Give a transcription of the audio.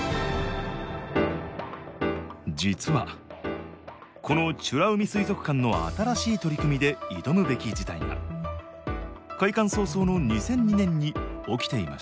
実はこの美ら海水族館の新しい取り組みで挑むべき事態が開館早々の２００２年に起きていました。